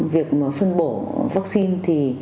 việc phân bổ vaccine thì